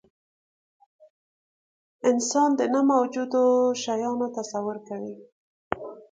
انسان د نه موجودو شیانو تصور کوي.